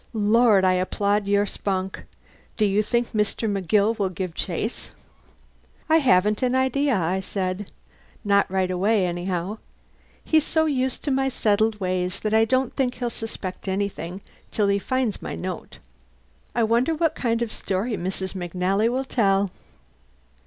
"Lord, I applaud your spunk. Do you think Mr. McGill will give chase?" "I haven't an idea," I said. "Not right away, anyhow. He's so used to my settled ways that I don't think he'll suspect anything till he finds my note. I wonder what kind of story Mrs. McNally will tell!"